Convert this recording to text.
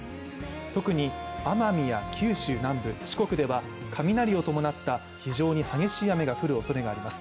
特に奄美や九州南部、四国では雷を伴った非常に激しい雨が降るおそれがあります。